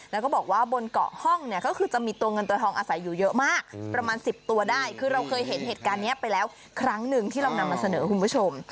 แล้วก็บอกว่าบนเกาะห้องเนี่ยก็คือจะมีตัวเงินตัวทองอาศัยอยู่เยอะมากประมาณ๑๐ตัวได้คือเราเคยเห็นเหตุการณ์นี้ไปแล้วครั้งหนึ่งที่เรานำมาเสนอคุณผู้ชม